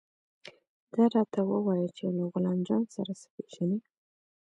دا راته ووايه چې له غلام جان سره څه پېژنې.